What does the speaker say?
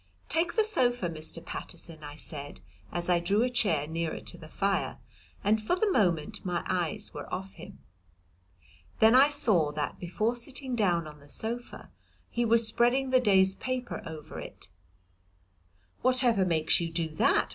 "Take the sofa, Mr. Paterson," I said, as I drew a chair nearer to the fire, and for the moment my eyes were off him. Then I saw that, before sitting down on the sofa, he was spreading the day's paper over it. "Whatever makes you do that?"